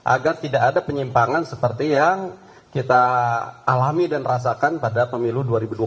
agar tidak ada penyimpangan seperti yang kita alami dan rasakan pada pemilu dua ribu dua puluh